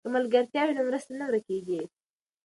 که ملګرتیا وي نو مرسته نه ورکېږي.